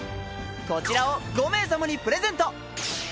こちらを５名様にプレゼント。